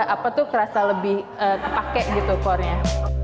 apa tuh kerasa lebih kepake gitu core nya